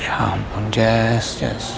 ya ampun jess jess